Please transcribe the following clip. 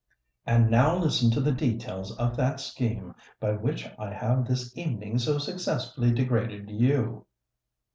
And now listen to the details of that scheme by which I have this evening so successfully degraded you."